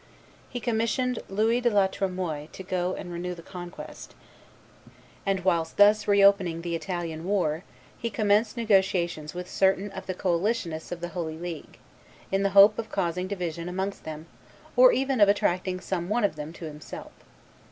He commissioned Louis de la Tremoille to go and renew the conquest; and, whilst thus reopening the Italian war, he commenced negotiations with certain of the coalitionists of the Holy League, in the hope of causing division amongst them, or even of attracting some one of them to himself.